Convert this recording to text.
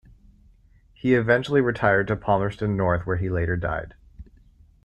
He eventually retired to Palmerston North where he later died.